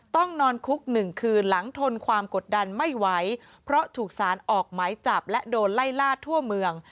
ต้องนอนคุกหนึ่งคืนหลังทนความกดดันไม่ไหวเพราะถูกสารออกหมายจับและโดนไล่ล่าทั่วเมือง